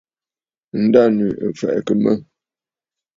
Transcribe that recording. Ǹdânwì ɨ̀ fɛ̀ʼɛ̀kə̀ mə̂.